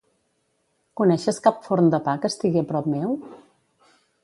Coneixes cap forn de pa que estigui a prop meu?